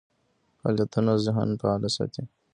فعالیتونه ذهن فعال ساتي.